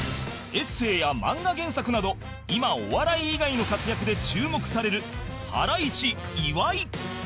エッセイや漫画原作など今お笑い以外の活躍で注目されるハライチ岩井